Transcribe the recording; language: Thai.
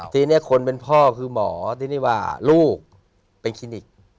ทีนี้คนเป็นพ่อคือหมอที่นี่ว่าลูกเป็นคลินิก